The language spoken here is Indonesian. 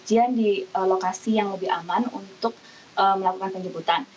ujian di lokasi yang lebih aman untuk melakukan penjemputan